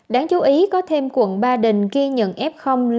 đáng chú ý có thêm quận ba đình ghi nhận f năm